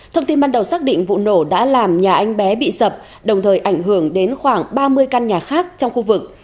thông tin ban đầu xác định vụ nổ đã làm nhà anh bé bị sập đồng thời ảnh hưởng đến khoảng ba mươi căn nhà khác trong khu vực